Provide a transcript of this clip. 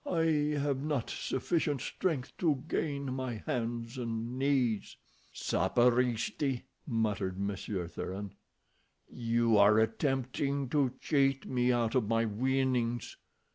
"I have not sufficient strength to gain my hands and knees." "Sapristi!" muttered Monsieur Thuran. "You are attempting to cheat me out of my winnings."